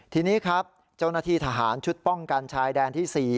ทีนี้ครับเจ้าหน้าที่ทหารชุดป้องกันชายแดนที่๔